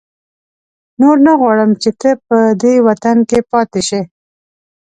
نور نه غواړم چې ته په دې وطن کې پاتې شې.